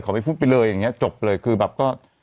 ไม่พูดไปเลยอย่างนี้จบเลยคือแบบก็